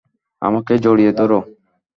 আমাকে জড়িয়ে ধরো।